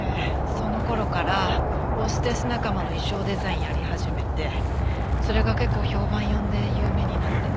その頃からホステス仲間の衣装デザインやり始めてそれが結構評判呼んで有名になって。